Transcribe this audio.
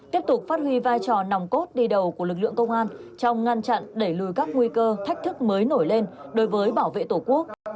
tiếp tục phát huy vai trò nòng cốt đi đầu của lực lượng công an trong ngăn chặn đẩy lùi các nguy cơ thách thức mới nổi lên đối với bảo vệ tổ quốc